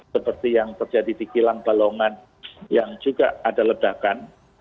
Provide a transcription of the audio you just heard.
seperti yang terjadi di kilang balongan yang juga ada ledakan